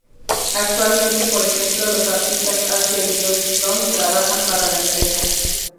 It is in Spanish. Actualmente por ejemplo los artistas Asia y Joss Stone trabajan para la empresa.